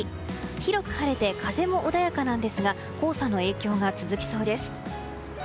広く晴れて風も穏やかなんですが黄砂の影響が続きそうです。